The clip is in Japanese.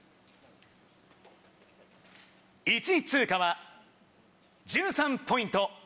１位通過は１３ポイント